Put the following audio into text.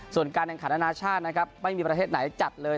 ส่วนการแข่งขันอนาชาตินะครับไม่มีประเทศไหนจัดเลย